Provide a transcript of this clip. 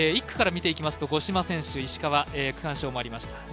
１区から見ていきますと五島選手石川、区間賞もありました。